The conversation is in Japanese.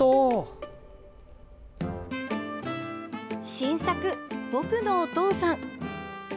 新作「ぼくのお父さん」。